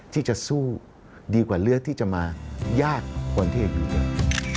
ที่จะสู้ดีกว่าเลือกที่จะมายากคนที่จะอยู่เดิม